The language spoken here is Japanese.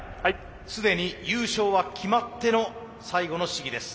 すでに優勝は決まっての最後の試技です。